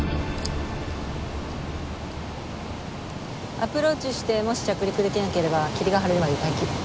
アプローチしてもし着陸できなければ霧が晴れるまで待機。